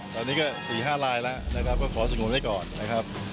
ตอนนี้ก็๔๕ลายแล้วนะครับก็ขอสงวนไว้ก่อนนะครับ